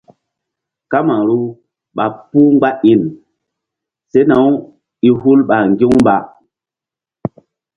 Kamaru ɓa puh mgba iŋ sena-u i hul ɓa ŋgi̧-u mba.